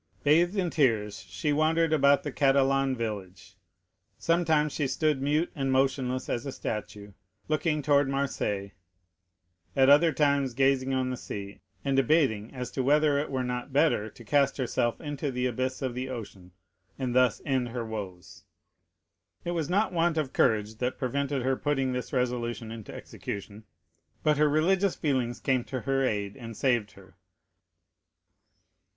Bathed in tears she wandered about the Catalan village. Sometimes she stood mute and motionless as a statue, looking towards Marseilles, at other times gazing on the sea, and debating as to whether it were not better to cast herself into the abyss of the ocean, and thus end her woes. It was not want of courage that prevented her putting this resolution into execution; but her religious feelings came to her aid and saved her.